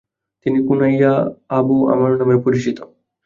তিনি "কুনইয়া" Abu 'Amr নামেও পরিচিত।